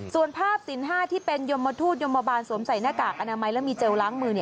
ส่วนภาพสิน๕ที่เป็นยมทูตยมบาลสวมใส่หน้ากากอนามัยและมีเจลล้างมือ